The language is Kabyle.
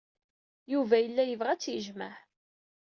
Yuba yella yebɣa ad tt-yejmeɛ.